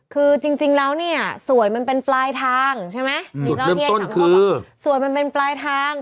คือจริงแล้วนี่สวยมันเป็นปลายทางใช่ไหมสวยมันเป็นปลายทาง